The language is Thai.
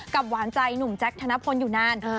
หวานใจหนุ่มแจ๊คธนพลอยู่นาน